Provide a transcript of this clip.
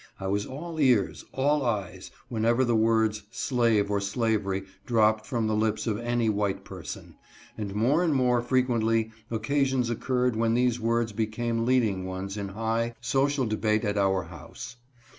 I was all ears, all eyes, whenever the words slave or slavery dropped from the lips of any white person, and more and more frequently occasions occurred when these words ^ v became leading ones in high, social debate at our house.